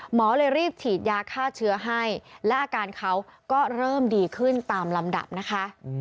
หมอเลยรีบฉีดยาฆ่าเชื้อให้และอาการเขาก็เริ่มดีขึ้นตามลำดับนะคะ